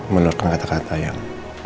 meluarkan kata kata yang